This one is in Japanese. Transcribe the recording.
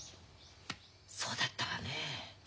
そうだったわねえ。